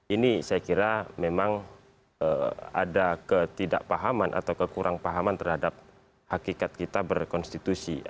ini saya kira memang ada ketidakpahaman atau kekurangpahaman terhadap hakikat kita berkonstitusi